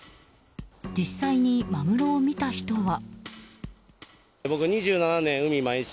実際にマグロを見た人は。